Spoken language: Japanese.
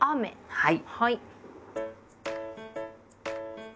はい。